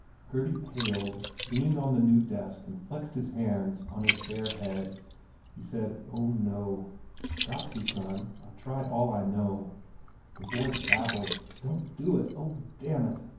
Gurdy paled, leaned on the new desk and flexed his hands on his fair head. He said, "Oh, no!" "Got to, son. I ve tried all I know." The boy babbled, "Don t do it! ... Oh, damn it